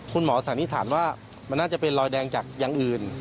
คุณหมอสานิสันว่ามันน่าจะเป็นรอยแดงจากอย่างอื่น